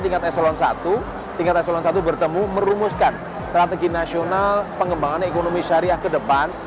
tingkat eselon i tingkat eselon satu bertemu merumuskan strategi nasional pengembangan ekonomi syariah ke depan